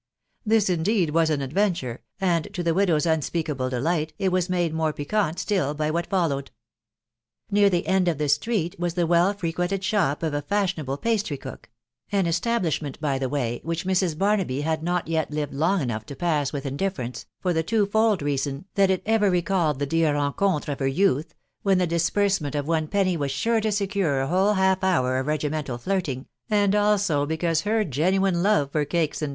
This indeed was an adventure, and to the widow'* unspeak able delight it was made more piquant still by what fallowed* Near the end of the street was the well frequented shop of a fashionable pastrycook, — an establishment, by the way, whisk Mrs. Barnaby had not yet lived long enough to aasa with indifference, for the two fold reason, that it ever recalled tat dear rencontres of her youth, when the disbaracirjant of oar penny was sure to secure a whole half hour of saguaeaai flirting, and also because her genuine love for cakes and.